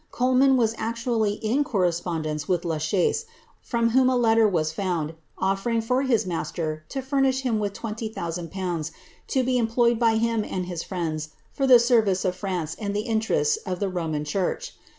Coleman wif j^ actually in correspondence with La Chaise, from whom a letter wif ff)und, olTering for his master to furnish him with 20,000/., to be em* ployed by him and his friends for the service of France and the intereiti of the Roman church.